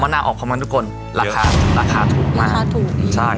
มะนาวออกพร้อมกันทุกคนเยอะราคาราคาถูกมากราคาถูกใช่